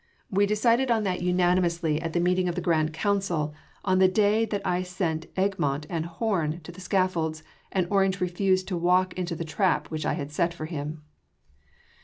"We decided on that unanimously at the meeting of the Grand Council on the day that I sent Egmont and Horn to the scaffold and Orange refused to walk into the trap which I had set for him."